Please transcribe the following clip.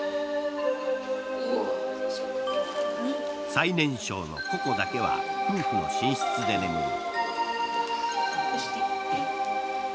最年少のココだけは夫婦の寝室で寝る。